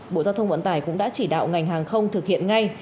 bộ giao thông vận tải cũng đã chỉ đạo ngành hàng không thực hiện ngay